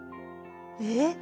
えっ？